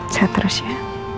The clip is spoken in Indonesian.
saya terus ya